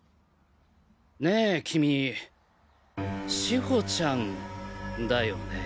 ねぇ君志保ちゃんだよね？